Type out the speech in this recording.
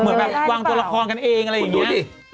เหมือนแบบวางตัวละครกันเองอะไรอย่างนี้ดูสิ